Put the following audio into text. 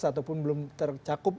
ataupun belum tercakup